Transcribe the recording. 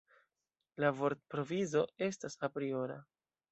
La vortprovizo estas apriora.